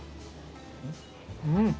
うん。